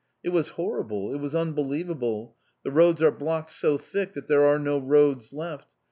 It was horrible, it ... was unbelievable ... the roads are blocked so thick that there are no roads left.